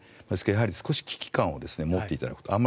ですから、少し危機感を持っていただくと。